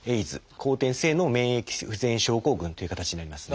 後天性の免疫不全症候群という形になりますね。